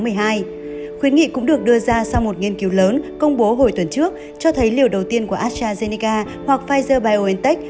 hội nghị cũng được đưa ra sau một nghiên cứu lớn công bố hồi tuần trước cho thấy liều đầu tiên của astrazeneca hoặc pfizer biontech